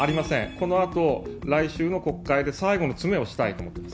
このあと、来週の国会で最後の詰めをしたいと思います。